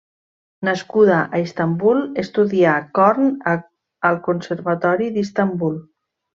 Nascuda a Istanbul, estudià corn al Conservatori d'Istanbul.